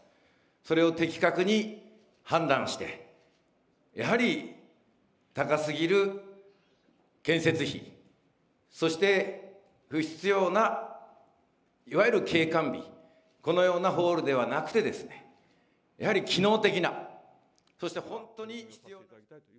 それを的確に判断して、やはり、高すぎる建設費、そして不必要ないわゆる景観美、このようなホールではなくてですね、やはり機能的な、そして本当に。